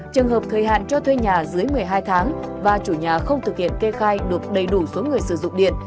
trường hợp thời hạn cho thuê nhà dưới một mươi hai tháng và chủ nhà không thực hiện kê khai được đầy đủ số người sử dụng điện